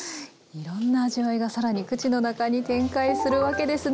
いろんな味わいが更に口の中に展開するわけですね。